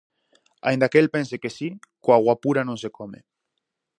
Aínda que el pense que si, coa guapura non se come.